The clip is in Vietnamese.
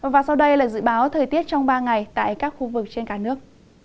và sau đây là dự báo thời tiết trong ba ngày tại các khu vực trên cả nước